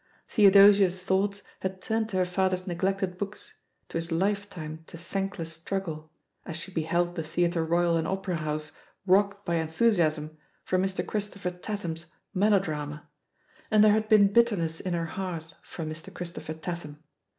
Theodosia's thoughts had turned to her father's neglected books, to his lifetime of thank less struggle, as she beheld the Theatre Royal and Opera House rocked by enthusiasm for Mr. Christopher Tatham's melodrama, and there had been bitterness in her heart for Mr. Christopher Tatham.